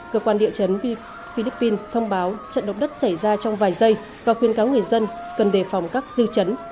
cơ quan địa chấn philippines thông báo trận động đất xảy ra trong vài giây và khuyên cáo người dân cần đề phòng các dư chấn